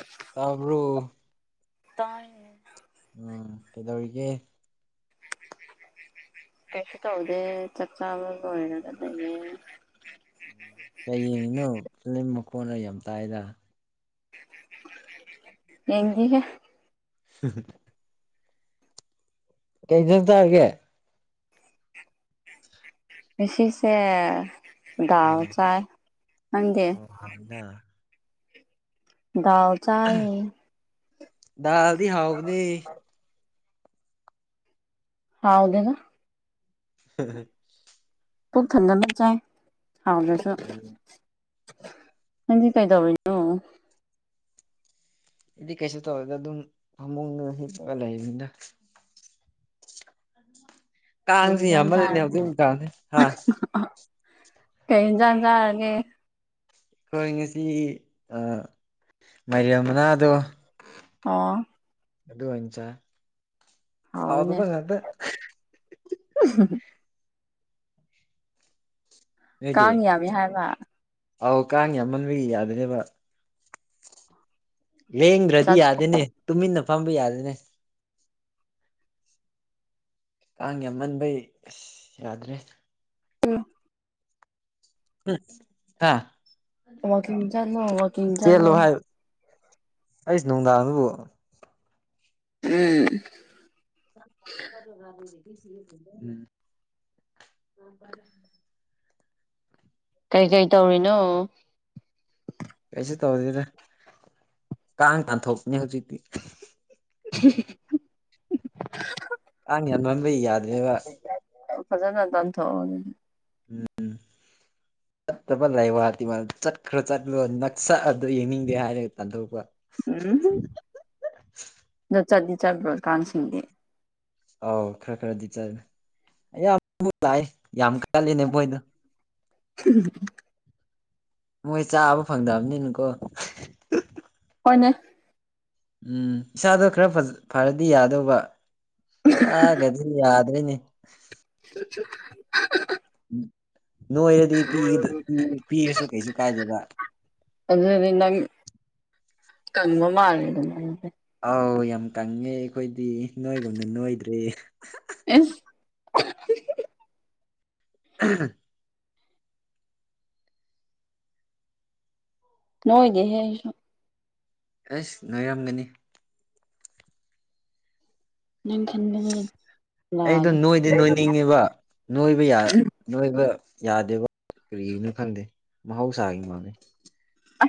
[inaudible] ꯇꯥꯕ꯭ꯔ‌ꯣ? ꯇꯥꯏꯌ‌ꯦ ꯎꯝ ꯀꯩꯗꯧꯔꯤꯒꯦ? ꯀꯩꯁꯨ ꯇꯧꯗꯦ ꯆꯥꯛ ꯆꯥꯥꯕ ꯂ‌ꯣꯏꯔꯒ ꯂꯩꯌꯦ ꯫ ꯀꯩ ꯌꯦꯡꯉꯤꯅꯣ ꯐꯤꯂꯝ ꯃꯈꯣꯟꯔꯥ ꯌꯥꯝ ꯇꯥꯏꯗ ꯌꯦꯡꯗ‌ꯦꯍ‌ꯦ [unintelligible] ꯀꯩ ꯏꯟꯖꯥꯡ ꯆꯥꯒꯦ ꯉꯁꯤꯁꯦ ꯑ ꯗꯥꯜ ꯆꯥꯏ ꯅꯪꯗꯤ ꯑꯣ ꯍꯥꯎꯏꯗ ꯗꯥꯜ ꯆꯥꯏꯅꯦ ꯗꯥꯜꯗꯤ ꯍꯥꯎꯕꯅ‌ꯦ ꯍꯥꯎꯗ‌ꯦꯗ [unintelligible] ꯄꯨꯛ ꯊꯟꯅꯕ ꯆꯥꯏ ꯍꯥꯎꯗ꯭ꯔꯥꯁꯨ ꯎꯝ ꯅꯪꯗꯤ ꯀꯩꯗꯧꯔꯤꯅ‌ꯣ ꯑꯩꯗꯤ ꯀꯩꯁꯨ ꯇꯧꯗ‌ꯦꯗ ꯑꯗꯨꯝ ꯐꯃꯨꯡꯗ ꯍꯤꯞꯄꯒ ꯂꯩꯕꯅꯤꯗ [inaudible] ꯀꯥꯡꯁꯤ ꯌꯥꯝ ꯌꯦꯟꯖꯥꯡ ꯃꯜꯂꯤꯅꯦ ꯆꯥꯔꯒꯦ ꯍꯧꯖꯤꯛ ꯃꯇꯝꯁꯦ ꯍꯥ ꯀꯩ ꯖꯦꯟꯖꯥꯡ ꯆꯥꯔꯒꯦ ꯑꯩꯈꯣꯏ ꯉꯁꯤ ꯑꯥ ꯃꯥꯏꯔꯦꯝ ꯃꯅꯥꯗꯣ ꯑꯣ ꯑꯗꯨ ꯑꯣꯏ ꯆꯥꯏ ꯍꯥꯎꯋꯤꯅꯦ ꯍꯥꯎꯇꯕ ꯉꯥꯛꯇ [unintelligible] ꯅꯣꯏꯗꯤ ꯀꯥꯡ ꯌꯥꯝꯃꯤ ꯍꯥꯏꯕ ꯑꯧ ꯀꯥꯡ ꯌꯥꯝꯃꯟꯕꯒꯤ ꯌꯥꯗꯔꯦꯕ ꯂꯦꯡꯗ꯭ꯔꯗꯤ ꯆꯠ ꯌꯥꯗꯦꯅꯦ ꯇꯨꯃꯤꯟꯅ ꯐꯝꯕ ꯌꯥꯗꯦꯅꯦ ꯀꯥꯡ ꯌꯥꯝꯃꯟꯕꯩ ꯑꯁ ꯌꯥꯗ꯭ꯔꯦ ꯍꯜꯂꯣ ꯎꯝ ꯍꯥ ꯑꯗꯨꯗꯣ ꯕꯣ ꯋꯥꯛꯀꯤꯡ ꯆꯠꯂꯣ ꯋꯥꯛꯀꯤꯡ ꯈꯔꯥ ꯆꯜꯂꯣ ꯆꯠꯂꯣ ꯍꯥꯏ ꯑꯩ ꯅꯨꯡꯗꯥꯡꯗꯕꯨ ꯎꯝ [unintelligible] ꯀꯩꯀꯩ ꯇꯧꯔꯤꯅꯣ ꯀꯩꯁꯨ ꯇꯧꯗꯦꯗ ꯀꯥꯡ ꯇꯥꯟꯊꯣꯛꯄꯅꯤ ꯍꯧꯖꯤꯛꯇꯤ [unintelligible] ꯑꯥꯡ ꯌꯥꯃꯟꯕꯩ ꯌꯥꯗ꯭ꯔꯦꯕ ꯐꯖꯅ ꯇꯥꯟꯊꯣꯛꯑꯣ ꯑꯗꯨꯗꯤ ꯎꯝ ꯐꯠꯇꯕ ꯂꯥꯏꯋꯥ ꯇꯤꯟꯋ ꯆꯠꯈ꯭ꯔꯣ ꯆꯠꯂꯣ ꯅꯁꯛꯑꯗꯣ ꯌꯦꯡꯅꯤꯡꯗꯦ ꯍꯥꯏꯔꯒ ꯇꯥꯟꯊꯣꯛꯄ ꯎꯝ ꯗꯣ ꯆꯠꯇꯤ ꯆꯠꯄ꯭ꯔꯣ ꯀꯥꯡꯁꯤꯡꯗꯤ ꯑꯧ ꯈꯔ ꯈꯔꯗꯤ ꯆꯠꯂꯤ ꯌꯥꯝ ꯃꯨꯛ ꯂꯥꯛꯑꯦ ꯌꯥꯝ ꯀꯜꯂꯤꯅꯦ ꯃꯣꯏꯗꯣ [unintelligible] ꯃꯣꯏ ꯆꯥꯕ ꯐꯪꯗꯕꯅꯤꯅ ꯀꯣ ꯍꯣꯏꯅꯦ ꯎꯝ ꯏꯁꯥꯗꯣ ꯈꯔ ꯐꯖꯥ ꯐꯔꯗꯤ ꯌꯥꯗꯧꯕ ꯆꯥꯒꯗꯤ ꯌꯥꯗꯔꯦꯅꯤ ꯅꯣꯏꯔꯗꯤ ꯄꯤꯗ ꯏ ꯄꯤꯔꯁꯨ ꯀꯩꯁꯨ ꯀꯥꯏꯗꯦꯕ ꯑꯗꯨꯗꯤ ꯅꯪ ꯀꯪꯕ ꯃꯥꯜꯂꯦꯗꯅ ꯗꯨꯗꯤ ꯫ ꯑꯧ ꯌꯥꯝ ꯀꯪꯉꯦ ꯑꯩꯈꯣꯏꯗꯤ ꯅꯣꯏꯒꯨꯝꯅ ꯅꯣꯏꯗ꯭ꯔꯦ ꯏꯁ ꯎꯝ ꯅꯣꯏꯗꯦꯍꯦ ꯑꯩꯁꯨ ꯑꯦꯁ ꯅꯣꯏꯔꯝꯒꯅꯤ ꯅꯨꯡꯊꯤꯟꯗꯔꯦ ꯑꯩꯗꯣ ꯅꯣꯏꯗꯤ ꯅꯣꯏꯅꯤꯡꯉꯦꯕ ꯅꯣꯏꯕ ꯌꯥ ꯅꯣꯏꯕ ꯌꯥꯗꯦꯕ ꯀꯔꯤꯒꯤꯅꯣ ꯈꯪꯗꯦ ꯃꯍꯧꯁꯥꯒꯤ ꯃꯥꯜꯂꯦ ꯫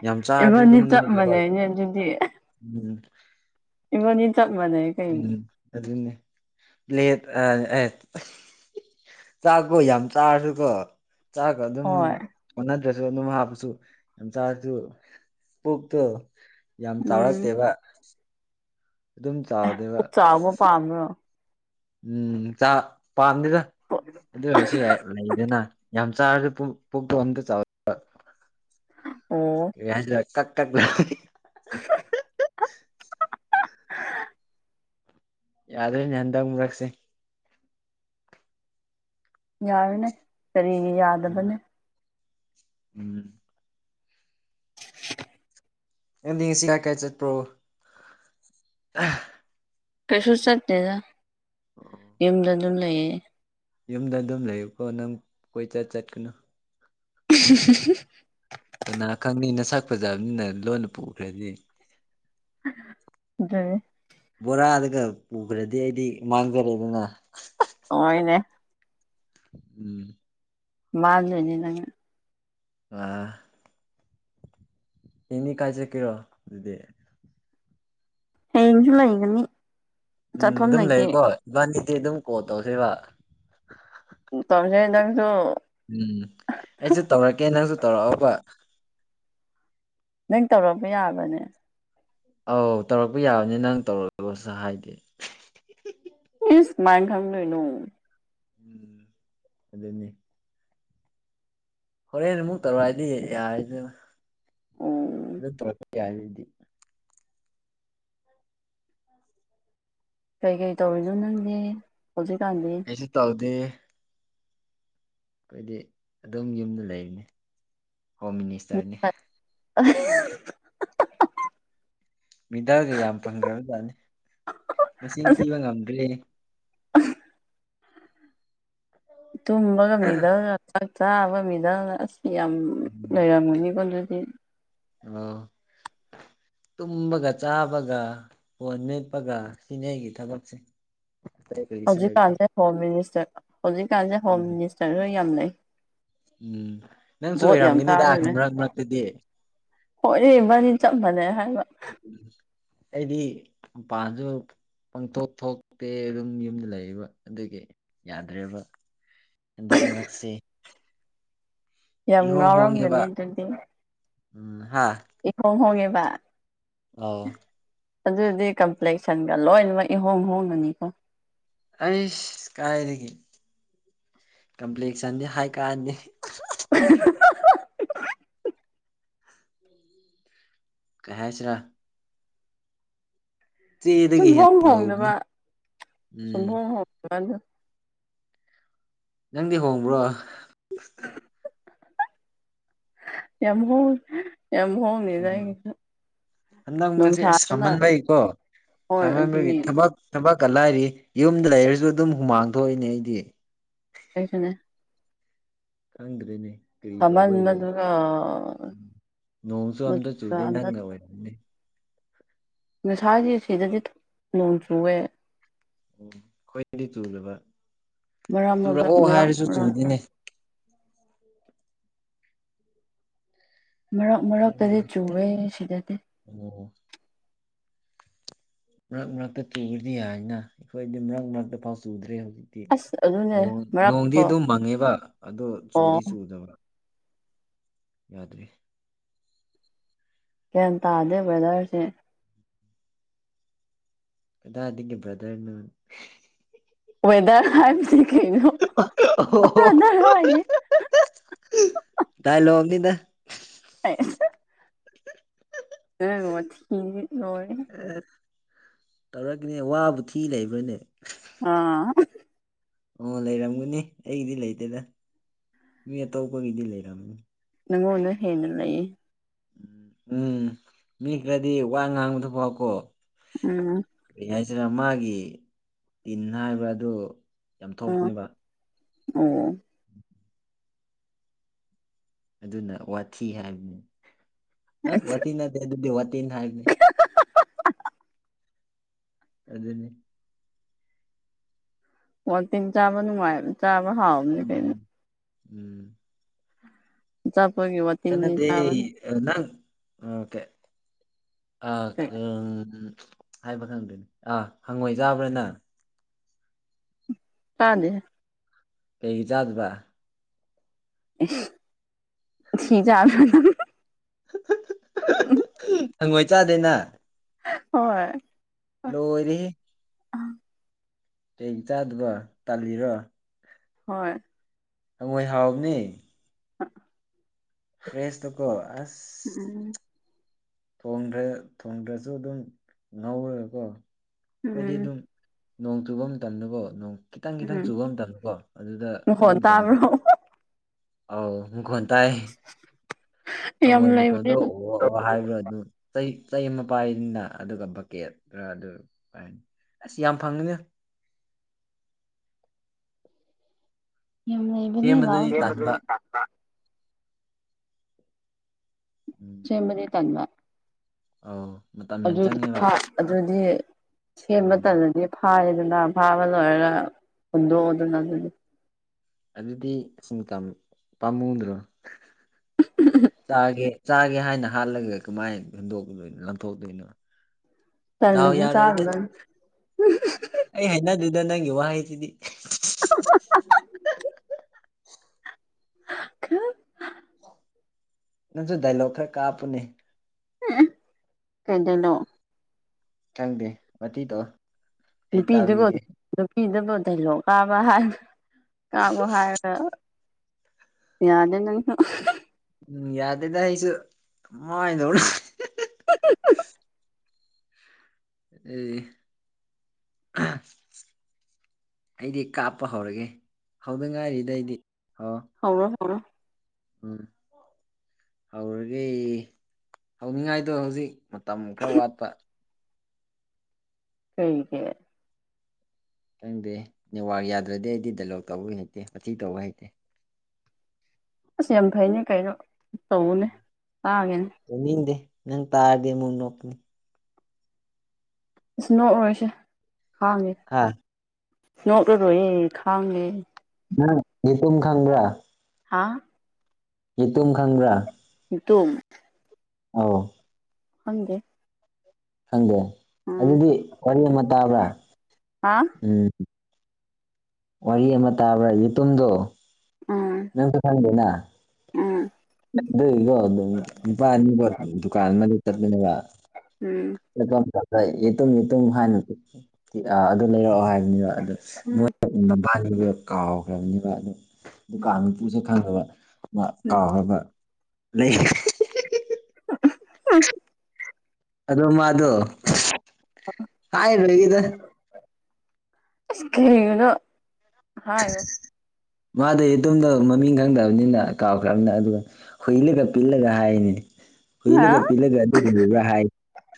ꯌꯥꯝ ꯆꯥꯔꯖꯨ ꯏꯕꯥꯅꯤ ꯗꯨꯝ ꯆꯞ ꯅꯣꯏꯗꯦꯕ ꯃꯥꯟꯅꯩꯅꯦ ꯑꯗꯨꯗꯤ ꯎꯝ꯫ ꯏꯕꯥꯅꯤ ꯆꯞ ꯃꯥꯟꯅꯩ ꯫ ꯎꯝ ꯑꯗꯨꯅꯦ ꯂꯦꯠ ꯑ ꯑꯩ ꯆꯥꯛꯒꯣ ꯌꯥꯝ ꯆꯥꯔꯁꯨꯀꯣ ꯆꯥꯛꯀ ꯑꯗꯨꯝ ꯍꯣꯏ ꯑꯣꯟꯅꯗ꯭ꯔꯁꯨ ꯑꯗꯨꯝ ꯍꯥꯞꯄꯁꯨ ꯌꯥꯝ ꯆꯥꯔꯖꯨ ꯄꯨꯛꯇꯣ ꯌꯥꯝ ꯎꯝ ꯆꯥꯎꯔꯛꯇꯦꯕ꯫ ꯑꯗꯨꯝ ꯆꯥꯎꯗꯦꯕ ꯄꯥꯝꯕꯔꯣ꯫ ꯎꯝ ꯆꯥꯛ ꯄꯥꯝꯗꯦꯗ ꯄꯣ ꯑꯗꯨ ꯑꯣꯏꯔꯁꯨ ꯌꯥꯏ ꯂꯩꯗꯅ ꯌꯥꯝ ꯆꯥꯔꯁꯨ ꯄꯨꯛ ꯄꯨꯛꯇꯣ ꯑꯝꯇ ꯆꯥꯎ ꯑꯣ ꯀꯔꯤ ꯍꯥꯏꯁꯦꯔꯥ ꯀꯛ ꯀꯛ ꯂꯥꯎꯋꯤ ꯫ [inaudible] ꯌꯥꯗ꯭ꯔꯦꯅꯦ ꯍꯟꯗꯛ ꯃꯔꯛꯁꯤ ꯫ ꯌꯥꯔꯅꯦ ꯀꯔꯤꯒꯤ ꯎꯝ ꯌꯥꯗꯕꯅꯦ ꯫ ꯎꯝ ꯅꯪꯗꯤ ꯉꯁꯤ ꯀꯥꯏ ꯀꯥꯏ ꯆꯠꯄ꯭ꯔꯣ꯫ ꯀꯩꯁꯨ ꯆꯠꯇꯦꯗ ꯑꯣ ꯌꯨꯝꯗ ꯑꯗꯨꯝ ꯂꯩꯌꯦ꯫ ꯌꯨꯝꯗ ꯑꯗꯨꯝ ꯂꯩꯌꯨꯀꯣ ꯅꯪ ꯀꯣꯏꯆꯠ ꯆꯠꯀꯅꯨ꯫ [inaudible] ꯀꯅꯥ ꯈꯪꯅꯤ ꯅꯁꯛ ꯐꯖꯕꯅꯤꯅ ꯂꯣꯟꯅ ꯄꯨꯈ꯭ꯔꯗꯤ꯫ ꯗꯨꯅꯤ ꯕꯣꯔꯥꯗꯒ ꯄꯨꯈ꯭ꯔꯗꯤ ꯑꯩꯗꯤ ꯃꯥꯡꯖꯔꯦꯗꯅ꯫ ꯑꯣꯏꯅꯦ ꯎꯝ ꯃꯥꯟꯗꯣꯏꯅꯤ ꯅꯪꯉ ꯑꯥ ꯍꯌꯦꯡꯗꯤ ꯀꯥꯏ ꯆꯠꯀꯦꯔꯣ ꯗꯨꯗꯤ꯫ ꯍꯌꯦꯡꯁꯨ ꯂꯩꯒꯅꯤ꯫ ꯎꯝ ꯆꯠꯐꯝ ꯑꯗꯨꯝ ꯂꯩꯇꯦ ꯂꯩꯌꯨꯀꯣ ꯏꯕꯥꯅꯤꯗꯤ ꯑꯗꯨꯝ ꯀꯣꯜ ꯇꯧꯁꯤꯕꯥ꯫ ꯎ ꯇꯧꯁꯦ ꯅꯪꯁꯨ꯫ ꯎꯝ ꯑꯩꯁꯨ ꯇꯧꯔꯛꯀꯦ ꯅꯪꯁꯨ ꯇꯧꯔꯛꯑꯣꯕꯥ ꯫ ꯅꯪ ꯇꯧꯔꯛꯄ ꯌꯥꯕꯔ꯭ꯅꯦ ꯑꯧ ꯇꯧꯔꯛꯄ ꯌꯥꯕꯅꯤ ꯅꯪ ꯇꯧꯔꯛꯂꯣꯁꯨ ꯍꯥꯏꯗꯦ꯫ ꯏꯁ ꯃꯥꯏꯟ ꯈꯪꯗꯣꯏꯅꯣ꯫ ꯎꯝ ꯑꯗꯨꯅꯤ ꯍꯣꯔꯦꯟ ꯑꯃꯨꯛ ꯇꯧꯔꯛꯑꯗꯤ ꯌꯥꯔꯦꯗꯅ ꯑꯣ ꯑꯗꯨ ꯇꯧꯔꯛꯄ ꯌꯥꯔꯗꯤ ꯀꯩꯀꯩ ꯇꯧꯔꯤꯅꯣ ꯅꯪꯗꯤ ꯍꯧꯖꯤꯛꯀꯥꯟꯗꯤ ꯀꯩꯁꯨ ꯇꯧꯗꯦ ꯑꯩꯈꯣꯏꯗꯤ ꯑꯗꯨꯝ ꯌꯨꯝꯗ ꯂꯩꯔꯤꯅꯤ ꯍꯣꯝ ꯃꯤꯅꯤꯁꯇꯔꯅꯤ [unintelligible] ꯃꯦꯗꯜꯒ ꯌꯥꯝ ꯐꯪꯈ꯭ꯔꯕꯖꯥꯠꯅꯤ ꯃꯁꯤꯡ ꯊꯤꯕ ꯉꯝꯗ꯭ꯔꯦ ꯇꯨꯝꯕꯒ ꯃꯦꯗꯜꯂ ꯆꯥꯛ ꯆꯥꯕꯩ ꯃꯦꯗꯜꯂ ꯑꯁ ꯌꯥꯝ ꯎꯝ ꯂꯩꯔꯝꯒꯅꯤꯀꯣ ꯑꯗꯨꯗꯤ ꯑꯣ ꯇꯨꯝꯕꯒ ꯆꯥꯕꯒ ꯐꯣꯟ ꯃꯦꯠꯄꯒ ꯁꯤꯅꯦ ꯑꯩꯒꯤ ꯊꯕꯛꯁꯦ ꯑꯇꯩ ꯀꯔꯤꯁꯨ ꯂꯩꯇꯦ ꯍꯧꯖꯤꯛꯀꯥꯟꯁꯦ ꯍꯣꯝ ꯃꯤꯅꯤꯁꯇꯔ ꯍꯧꯖꯤꯛꯀꯥꯟꯁꯦ ꯍꯣꯝ ꯎꯝ ꯃꯤꯅꯤꯁꯇꯔꯁꯨ ꯌꯥꯝ ꯂꯩ ꯎꯝ ꯅꯪꯁꯨ ꯚꯣꯠ ꯌꯥꯝ ꯑꯣꯏꯔꯝꯒꯅꯤꯗ ꯃꯔꯛ ꯃꯔꯛꯇꯗꯤ ꯑꯣꯏꯔ‌ꯦ ꯏꯕꯥꯅꯤ ꯆꯞ ꯃꯥꯅꯩ ꯍꯥꯏꯔꯒ ꯑꯩꯗꯤ ꯃꯄꯥꯟꯖꯨ ꯄꯡꯊꯣꯛ ꯊꯣꯛꯇꯦ ꯑꯗꯨꯝ ꯌꯨꯝꯗ ꯂꯩꯕ ꯑꯗꯨꯒꯤ ꯌꯥꯗ꯭ꯔꯦꯕ ꯍꯟꯗꯛ ꯃꯔꯛꯁꯤ ꯌꯥꯝ ꯍꯣꯡꯉꯦꯕ ꯉꯥꯎꯔꯝꯒꯅꯤ ꯑꯗꯨꯗꯤ ꯎꯝ ꯍꯥꯥ ꯏꯍꯣꯡ ꯍꯣꯡꯉꯦꯕ ꯑꯧ ꯑꯗꯨꯗꯤ ꯀꯝꯄ꯭ꯂꯦꯛꯁꯟꯒ ꯂꯣꯏꯅꯃꯛ ꯏꯍꯣꯡ ꯍꯣꯡꯉꯅꯤꯀꯣ ꯑꯩꯁ ꯀꯥꯏꯗꯒꯤ ꯀꯝꯄ꯭ꯂꯦꯛꯁꯟꯗꯤ ꯍꯥꯏ ꯀꯥꯟꯅꯗ‌ꯦ [unintelligible] ꯀꯩ ꯍꯥꯏꯁꯤꯔꯥ ꯆꯦꯗꯒꯤ ꯁꯨꯡꯍ‌ꯣꯡ ꯍꯦꯟꯅ ꯉꯧꯕꯅꯤ ꯍꯣꯡꯗꯕ ꯎꯝ ꯁꯨꯡꯍ‌ꯣꯡ ꯍꯣꯡꯗꯕ ꯑꯗꯨ ꯅꯪꯗꯤ ꯍꯣꯡꯕ꯭ꯔꯣ ꯌꯥꯝ ꯍ‌ꯣꯡ ꯌꯥꯝ ꯍ‌ꯣꯡꯅꯤꯗ‌ ꯎꯝ ꯑꯩꯒꯤꯁꯨ ꯍꯟꯗꯛ ꯃꯔꯛꯁꯤ ꯑꯁ ꯅꯨꯡꯁꯥꯗꯅ ꯁꯥꯃꯟꯕꯒꯤꯀꯣ ꯍꯣꯏ ꯁꯥꯃꯟꯕꯒꯤ ꯑꯗꯨꯅꯦ ꯊꯕꯛ ꯊꯕꯛꯀ ꯂꯥꯏꯔꯤ ꯌꯨꯝꯗ ꯂꯩꯔꯁꯨ ꯑꯗꯨꯝ ꯍꯨꯃꯥꯡ ꯊꯣꯛꯏꯅꯦ ꯑꯩꯗꯤ ꯑꯩꯁꯨꯅ‌ꯦ ꯈꯪꯗ꯭ꯔꯦꯅꯦ ꯀꯔꯤ ꯁꯥꯃꯟꯕꯗꯨꯅ ꯇꯧꯕꯩꯔꯥ ꯅꯣꯡꯁꯨ ꯑꯝꯇ ꯃꯆꯨꯒ ꯆꯨꯗꯦ ꯑꯝꯇ ꯅꯪꯒ ꯑꯣꯏꯔꯝꯅꯤ ꯉꯁꯥꯏꯗꯤ ꯑꯁꯤꯗꯗꯤ ꯅꯣꯡ ꯆꯨꯋ‌ꯦ ꯑꯩꯈꯣꯏꯗꯗꯤ ꯆꯨꯗꯕ ꯃꯔꯛ ꯃꯔꯛ ꯆꯨꯔꯛꯑꯣ ꯃꯔꯛ ꯍꯥꯏꯔꯁꯨ ꯃꯔꯛꯇ ꯆꯨꯗ‌ꯦꯅꯦ ꯃꯔꯛ ꯃꯔꯛꯇꯗꯤ ꯈꯪꯗ꯭ꯔꯦ ꯆꯨꯋ‌ꯦ ꯁꯤꯗꯗꯤ ꯑꯣ ꯃꯔꯛ ꯃꯔꯛꯇ ꯆꯨꯔꯗꯤ ꯌꯥꯏꯅ ꯑꯩꯈꯣꯏꯗꯤ ꯃꯔꯛ ꯃꯔꯛꯇ ꯐꯥꯎ ꯆꯨꯗ꯭ꯔꯦ ꯍꯧꯖꯤꯛ ꯑꯁ ꯑꯗꯨꯅꯦ ꯅ‌ꯣꯡ ꯅꯣꯡꯗꯤ ꯃꯔꯛꯀꯣ ꯑꯗꯨꯝ ꯃꯪꯉꯦꯕ ꯑꯗꯣ ꯆꯨꯗꯤ ꯑꯣ ꯆꯨꯗꯕ ꯌꯥꯗ꯭ꯔꯤ ꯒ꯭ꯌꯥꯟ ꯇꯥꯗꯦ ꯕꯔꯗ꯭ꯔꯁꯦ ꯀꯗꯥꯏꯗꯒꯤ ꯕꯔꯗ꯭ꯔꯅ‌ꯣꯍ‌ꯦ ꯋꯦꯗꯔ ꯍꯥꯏꯕꯅꯤ ꯀꯩꯅꯣ ꯕ꯭ꯔꯗꯔ ꯍꯥꯏꯅꯤ [unintelligible] ꯗꯥꯏꯂ‌ꯣꯛꯅꯤꯗ [unintelligible] ꯑꯥ ꯇꯧꯔꯥꯒꯥꯅꯦ ꯋꯥꯕꯨ ꯊꯤ ꯂꯩꯕ꯭ꯔꯅꯦ ꯑꯥ ꯑꯣ ꯂꯩꯔꯝꯒꯅꯤ ꯑꯩꯒꯤꯗꯤ ꯂꯩꯇꯦꯗꯥ ꯃꯤ ꯑꯇꯣꯞꯄꯥꯒꯤꯗꯤ ꯂꯩꯔꯝꯅꯤ ꯅꯪꯉꯣꯟꯅ ꯍꯦꯟꯅ ꯂꯩꯌꯦ ꯎꯝ ꯃꯤ ꯈꯔꯥꯗꯤ ꯋꯥ ꯉꯥꯡꯕꯗꯥ ꯐꯥꯎ ꯀꯣ ꯎꯝ ꯀꯔꯤ ꯍꯥꯏꯁꯤꯔꯥ ꯃꯥꯒꯤ ꯇꯤꯟ ꯍꯥꯏꯕ ꯑꯗꯨ ꯌꯥꯝ ꯑꯥ ꯊꯣꯛꯄꯥꯅꯦꯕꯥ ꯑꯣ ꯑꯗꯨꯅ ꯋꯥꯊꯤ ꯍꯥꯏꯕꯅꯤ ꯑꯥ ꯑꯁ ꯋꯥꯊꯤ ꯅꯠ ꯑꯗꯨ ꯗꯤ ꯋꯥꯇꯦꯟ ꯍꯥꯏꯕꯅꯤ ꯑꯗꯨꯅꯤ ꯋꯥꯇꯤꯟ ꯆꯥꯕ ꯅꯨꯡꯉꯥꯏꯕ ꯆꯥꯕ ꯍꯥꯎꯕꯥꯅꯤ ꯀꯩꯅꯦ ꯎꯝ ꯎꯝ [unintelligible] [inaudible] ꯀꯥꯟꯅꯗꯦ ꯆꯥꯕꯅꯤ ꯅꯪ ꯎꯝ ꯀꯦ ꯑꯥ ꯀꯩ ꯀꯥ ꯍꯥꯏꯕ ꯈꯪꯗ꯭ꯔꯦ ꯑꯥ ꯍꯪꯉꯣꯏ ꯆꯥꯕ꯭ꯔꯥꯅꯪ ꯄꯥꯅꯦꯍꯦ ꯀꯩꯒꯤ ꯆꯥꯗꯥꯕ ꯏꯁ ꯊꯤ ꯆꯥꯕ꯭ꯔ ꯅꯪ ꯍꯪꯉꯣꯏ ꯆꯥꯗꯦ ꯅꯪ ꯍꯣꯏ ꯂꯣꯏꯔꯦꯍꯦ ꯀꯩꯒꯤ ꯆꯥꯗꯥꯕ ꯇꯥꯜꯂꯤꯔꯣ ꯍꯣꯏ ꯍꯪꯉꯣꯏ ꯍꯥꯎꯕꯥꯅꯦ [inaudible] ꯐ꯭ꯔꯦꯁ ꯇꯥꯀꯣ ꯑꯁ [inaudible] ꯊꯣꯡꯗ꯭ꯔ ꯊꯣꯡꯗ꯭ꯔꯁꯨ ꯑꯗꯨꯝ ꯉꯧꯔꯥꯒꯀꯣ ꯑꯩꯈꯣꯏꯗꯤ ꯎꯝ ꯑꯗꯨꯝ ꯅꯣꯡ ꯆꯨꯕ ꯃꯇꯝꯗꯀꯣ ꯅꯣꯡ ꯈꯤꯇꯪ ꯈꯤꯇꯪ ꯎꯝ ꯆꯨꯕ ꯃꯇꯝꯗꯀꯣ ꯑꯗꯨꯗ ꯑꯗꯨ ꯃꯈꯣꯟ ꯃꯇꯝꯗꯣ ꯇꯥꯕ꯭ꯔꯣ ꯑꯥꯎ ꯃꯈꯣꯟ ꯇꯥꯏ ꯌꯥꯝ ꯍꯪꯉꯣꯏ ꯃꯈꯣꯟꯗꯣ ꯂꯩꯕꯅꯦ [unintelligible] ꯍꯥꯏꯕ꯭ꯔ ꯑꯗꯨ ꯆꯩ ꯆꯩ ꯑꯃ ꯄꯥꯏꯅꯤꯅꯥ ꯑꯗꯨꯒꯥ ꯕꯛꯀꯦꯠꯔꯥ ꯑꯗꯨ ꯄꯥꯏꯔꯥꯅꯤ ꯑꯁ ꯌꯥꯝ ꯐꯪꯉꯤꯅꯥ ꯌꯥꯝ ꯂꯩꯕꯥꯅꯤ ꯂꯥꯎ ꯁꯦꯝꯕꯗꯗꯤ ꯇꯟꯕ [unintelligible] [inaudible] ꯁꯦꯝꯕꯥꯗꯤ ꯇꯟꯕꯥ ꯑꯣ [unintelligible] ꯑꯗꯨꯏ [unintelligible] ꯑꯗꯨꯗꯤ ꯁꯦꯝꯕꯥ ꯎꯝ ꯇꯜꯂꯥꯗꯤ ꯐꯥꯔꯦꯗꯥꯅ ꯐꯥꯕ ꯂꯣꯏꯔꯥꯒ ꯍꯨꯟꯗꯣꯛꯑꯣꯗꯥꯅ ꯑꯗꯨꯗꯤ ꯑꯗꯨꯗꯤ [unintelligible] ꯄꯥꯝꯃꯨꯗ꯭ꯔꯣ ꯆꯥꯒꯦ ꯆꯥꯒꯦ ꯍꯥꯏꯅ ꯍꯥꯜꯂꯥꯒ ꯀꯃꯥꯏꯅꯥ ꯍꯨꯟꯗꯣꯛꯀꯥꯗꯣꯏꯅꯣ ꯂꯪꯊꯣꯛꯇꯣꯏꯅꯣ ꯗꯥꯎ ꯇꯜꯂꯥꯗꯤ ꯌꯥꯔꯣꯏꯗ ꯆꯥꯔꯨꯔꯥꯅꯨ [unintelligible] ꯑꯩ ꯍꯩꯅꯥꯗꯦꯗꯥ ꯅꯪꯒꯤ ꯋꯥꯍꯩꯁꯤꯗꯤ [inaudible] ꯅꯪꯁꯨ ꯗꯥꯏꯂꯣꯛ ꯈꯔ ꯀꯥꯞꯄꯨꯅꯦ [unintelligible] ꯀꯩ ꯗꯥꯏꯂꯣꯛ ꯈꯪꯗꯦ ꯋꯥꯊꯤ [unintelligible] ꯑꯩ ꯅꯨꯄꯤꯗꯨꯕꯨ ꯇꯥꯕꯤꯒꯦ ꯅꯨꯄꯤꯗꯨꯕꯨ [unintelligible] ꯀꯥꯕ ꯍꯥꯏꯕ ꯇꯥꯛꯑꯣ ꯍꯥꯏꯔꯒ ꯌꯥꯗꯦ ꯅꯪ [unintelligible] ꯎꯝ ꯌꯥꯗꯦꯗ ꯑꯩꯁꯨ ꯃꯥꯥꯏ [unintelligible] [unintelligible] ꯑꯦ [unintelligible] ꯑꯩꯗꯤ ꯀꯥꯞꯄ ꯍꯧꯔꯒꯦ ꯍꯧꯗ ꯉꯥꯏꯔꯤꯗ ꯑꯩꯗꯤ ꯑꯣ ꯍꯧꯔꯣ ꯍꯧꯔꯣ ꯍꯧꯔꯒꯦ ꯍꯧꯅꯤꯡꯉꯥꯏꯗꯣ ꯍꯧꯖꯤꯛ ꯃꯇꯝ ꯈꯔ ꯋꯥꯠꯄ ꯀꯩꯒꯤ ꯈꯪꯗꯦ ꯅꯦꯋꯥꯔ ꯌꯥꯗ꯭ꯔꯗꯤ ꯑꯩꯗꯤ ꯗꯥꯏꯂꯣꯛ ꯇꯧꯕ ꯍꯩꯇꯦ ꯋꯥꯊꯤ ꯇꯧꯕ ꯍꯩꯇꯦ ꯑꯁ ꯌꯥꯝ ꯐꯩꯅꯦ ꯀꯩꯅꯣ ꯇꯧꯑꯨꯅꯦ ꯇꯥꯒꯦꯅꯦ ꯇꯧꯅꯤꯗꯦ ꯅꯪ ꯇꯥꯔꯗꯤ ꯑꯃꯨꯛ ꯅꯣꯛꯀꯅꯤ ꯏꯁ ꯅꯣꯛꯑꯔꯣꯏꯁꯦ ꯈꯥꯡꯒꯦ ꯍꯥ ꯅꯣꯛꯂꯔꯣꯏꯌꯦ ꯈꯥꯡꯉꯦ ꯅꯪ ꯌꯦꯇꯨꯝ ꯈꯪꯕ꯭ꯔꯥ ꯑꯥ ꯌꯦꯇꯨꯝ ꯈꯪꯕ꯭ꯔꯥ [unintelligible] ꯇꯨꯝ [unintelligible] ꯈꯪꯗꯦ ꯈꯪꯗꯔ꯭ꯦ ꯎꯝ ꯑꯗꯨꯗꯤ ꯋꯥꯔꯤ ꯑꯃ ꯇꯥꯕ꯭ꯔꯥ ꯍꯥ ꯎꯝ ꯋꯥꯔꯤ ꯑꯃ ꯇꯥꯕ꯭ꯔꯥ ꯌꯦꯇꯨꯝꯗꯣ ꯎꯝ ꯅꯪꯁꯨ ꯈꯪꯗꯦꯅ ꯎꯝ ꯑꯗꯨꯏꯗꯣ ꯅꯨꯄꯥ ꯑꯅꯤ [unintelligible] ꯗꯨꯀꯥꯟ ꯑꯃꯗ ꯆꯠꯃꯤꯟꯅꯕ ꯎꯝ [unintelligible] ꯌꯦꯇꯨꯝ ꯌꯦꯇꯨꯝ ꯍꯥꯏꯅ [unintelligible] ꯑꯗꯨ ꯂꯩꯔꯛꯑꯣ ꯍꯥꯏꯕꯅꯤꯕ [unintelligible] ꯎꯝ ꯃꯣꯏ ꯃꯕꯥꯅꯤꯁꯦ ꯀꯥꯎꯈ꯭ꯔꯕꯅꯤꯕ ꯑꯗꯨ ꯗꯨꯀꯥꯟ ꯃꯄꯨꯁꯦ ꯈꯪꯈ꯭ꯔꯕ [unintelligible] ꯎꯝ ꯀꯥꯎ꯭ꯔꯕ ꯂꯩ [unintelligible] ꯑꯗꯣ ꯃꯥꯗꯣ ꯍꯥꯏꯔꯣꯏꯒꯦꯗ ꯑꯁ ꯀꯔꯤꯒꯤꯅꯣ ꯍꯥꯏꯌꯨ ꯃꯥꯗꯤ ꯗꯨꯝꯗ ꯃꯃꯤꯡ ꯈꯪꯗꯕꯅꯤꯅ ꯀꯥꯎꯈ꯭ꯔꯝꯅꯤ ꯑꯗꯨꯒ ꯍꯨꯜꯂꯤꯒ ꯄꯤꯜꯂꯒ ꯍꯥꯏꯅꯦ ꯍꯥ ꯍꯨꯜꯂꯤꯒ ꯄꯤꯜꯂꯒ [unintelligible] ꯍꯥꯏ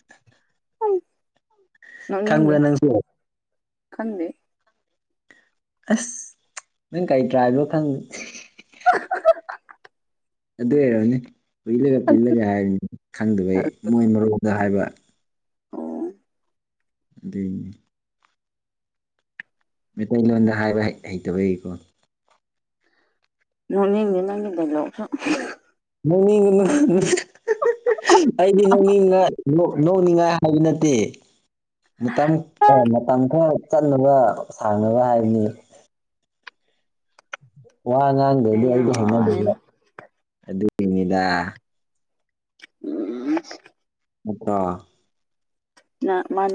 [unintelligible] ꯅꯣꯛꯅꯤꯡꯗꯦ ꯈꯪꯕ꯭ꯔꯥ ꯅꯪꯁꯨ ꯈꯪꯗꯦ ꯑꯁ ꯅꯪ ꯀꯔꯤ ꯇ꯭ꯔꯥꯏꯞꯅꯣ ꯈꯪ [unintelligible] ꯑꯗꯨꯏ ꯑꯣꯏꯔꯝꯅꯤ ꯄꯤꯜꯂꯒ ꯄꯤꯜꯂꯒ ꯍꯥꯏꯕꯅꯤ ꯈꯪꯗꯕꯩ ꯃꯣꯏ ꯃꯔꯣꯟꯗ ꯍꯥꯏꯕ ꯎꯝ꯫ ꯗꯨꯏꯅꯤ ꯃꯩꯇꯩꯂꯣꯟꯗ ꯍꯥꯏꯕ ꯍꯩꯇꯕꯒꯤꯀꯣ ꯅꯣꯛꯅꯤꯡꯗꯦ ꯅꯪꯒꯤ ꯗꯥꯏꯂꯣꯛꯇꯣ ꯅꯣꯛꯅꯤꯡꯉꯨꯅꯨ ꯑꯩꯗꯤ ꯅꯣꯛꯅꯤꯡꯉꯥ ꯅꯣꯛ ꯅꯣꯛꯅꯤꯡꯉꯥꯏ ꯍꯥꯏꯕ ꯅꯠꯇꯦ ꯃꯇꯝ ꯑꯣ ꯃꯇꯝ ꯈꯔ ꯆꯠꯅꯕ ꯁꯥꯡꯅꯕ ꯍꯥꯏꯕꯅꯤ ꯋꯥ ꯉꯥꯡꯗ꯭ꯔꯗꯤ ꯑꯩꯗꯤ ꯍꯩꯅꯗꯦꯕ ꯌꯥꯔꯦꯗ ꯑꯗꯨꯒꯤꯅꯤꯗ ꯎꯝ ꯎꯇꯣ ꯅ ꯃꯥꯅꯤ